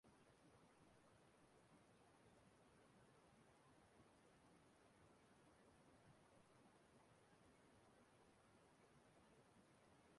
igwe njụoyi ya